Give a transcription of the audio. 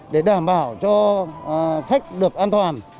để đảm bảo cho khách được an toàn